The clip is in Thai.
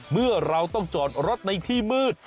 เมื่อเราต้องจอดรถในที่มืด